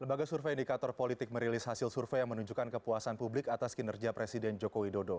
lembaga survei indikator politik merilis hasil survei yang menunjukkan kepuasan publik atas kinerja presiden joko widodo